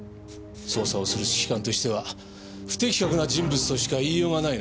捜査をする指揮官としては不適格な人物としか言いようがないな。